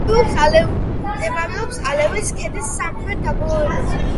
მდებარეობს ალევის ქედის სამხრეთ დაბოლოებაზე.